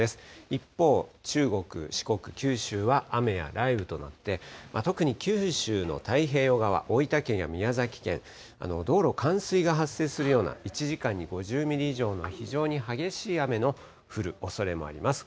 一方、中国、四国、九州は雨や雷雨となって、特に九州の太平洋側、大分県や宮崎県、道路、冠水が発生するような、１時間に５０ミリ以上の非常に激しい雨の降るおそれもあります。